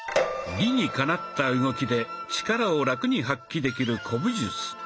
理にかなった動きで力をラクに発揮できる古武術。